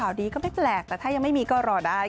แล้วแต่เลยแล้วแต่ทางสังคิดเลย